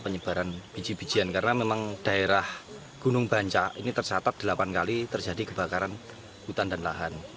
penyebaran biji bijian karena memang daerah gunung banca ini tersatap delapan kali terjadi kebakaran hutan dan lahan